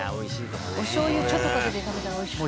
「おしょうゆちょっとかけて食べたらおいしくない？」